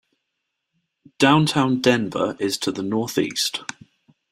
Downtown Denver is to the northeast.